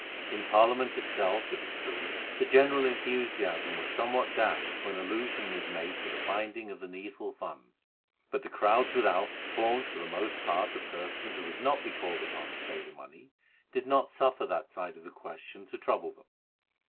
In Parliament itself, it is true, the general enthusiasm was somewhat dashed when allusion was made to the finding of the needful funds; but the crowds without, formed for the most part of persons who would not be called upon to pay the money, did not suffer that side of the question to trouble them.